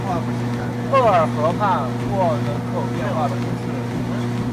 厄尔河畔沃人口变化图示